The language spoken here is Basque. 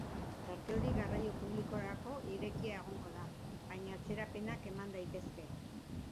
Tarte hori garraio publikorako irekia egongo da, baina atzerapenak eman daitezke.